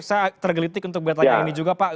saya tergelitik untuk bertanya ini juga pak